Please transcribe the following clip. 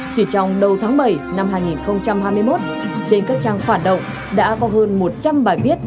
chỉ trong đầu tháng bảy năm hai nghìn hai mươi một trên các trang phản động đã có hơn một trăm linh bài viết